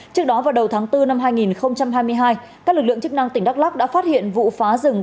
trước đó vào đầu tháng bốn năm hai nghìn hai mươi hai các lực lượng chức năng tỉnh đắk lắk đã phát hiện vụ phá rừng